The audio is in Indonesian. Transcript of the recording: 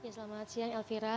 selamat siang elvira